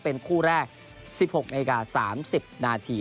เป็นคู่แรก๑๖นาที๓๐นาที